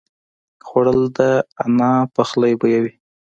خوړل د انا پخلی بویوي